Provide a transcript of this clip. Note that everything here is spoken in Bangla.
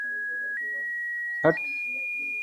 এই কথা বলিয়াছে কুসুম।